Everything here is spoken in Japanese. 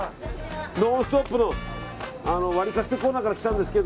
「ノンストップ！」のワリカツというコーナーからやってきたんですけど。